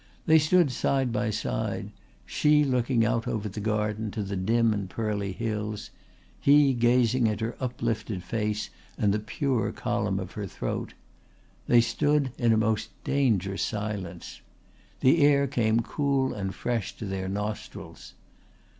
They stood side by side, she looking out over the garden to the dim and pearly hills, he gazing at her uplifted face and the pure column of her throat. They stood in a most dangerous silence. The air came cool and fresh to their nostrils.